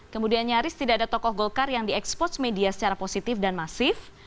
kemudian nyaris tidak ada tokoh golkar yang diekspos media secara positif dan masif